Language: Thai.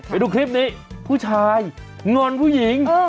ไปดูคลิปนี้ผู้ชายงอนผู้หญิง